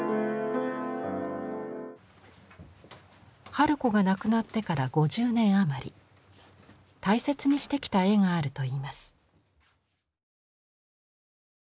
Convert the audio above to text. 春子が亡くなってから５０年余り大切にしてきた絵があるといいます。